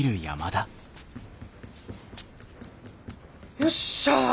よっしゃ！